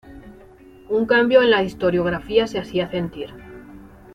Un cambio en la historiografía se hacía sentir.